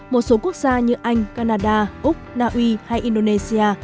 một số quốc gia như anh canada úc naui hay indonesia